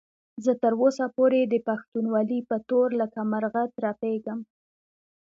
زه تر اوسه پورې د پښتونولۍ په تور لکه مرغه ترپېږم.